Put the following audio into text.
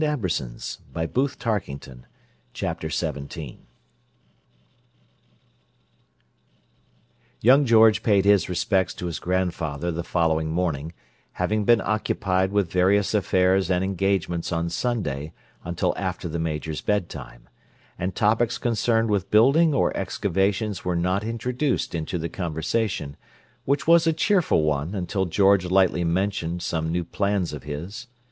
"Not so very long. Not so very long!" Chapter XVII Young George paid his respects to his grandfather the following morning, having been occupied with various affairs and engagements on Sunday until after the Major's bedtime; and topics concerned with building or excavations were not introduced into the conversation, which was a cheerful one until George lightly mentioned some new plans of his.